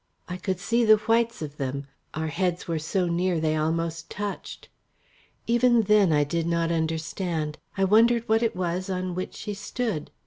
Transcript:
I could see the whites of them; our heads were so near they almost touched. Even then I did not understand. I wondered what it was on which she stood.